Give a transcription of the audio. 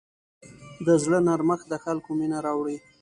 د زړه نرمښت د خلکو مینه راوړي.